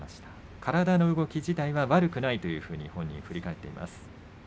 体の動き自体は悪くないというふうに本人が振り返っています。